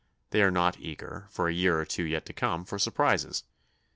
They are not eager, for a year or two yet to come, for surprises.